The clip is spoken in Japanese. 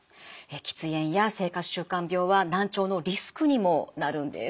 喫煙や生活習慣病は難聴のリスクにもなるんです。